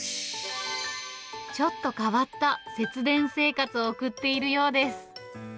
ちょっと変わった節電生活を送っているようです。